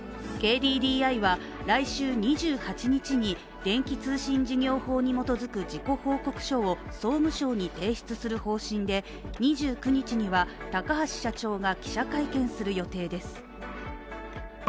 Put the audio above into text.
ＫＤＤＩは来週２８日に電気通信事業法に基づく事故報告書を総務省に提出する方針で２９日には、高橋社長が記者会見する予定です。